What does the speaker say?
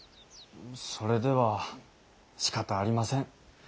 それではしかたありません。